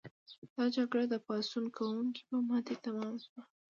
دا جګړه د پاڅون کوونکو په ماتې تمامه شوه.